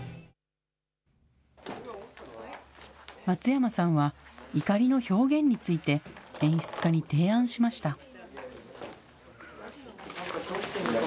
松山さんは、怒りの表現について、演出家に提案しました。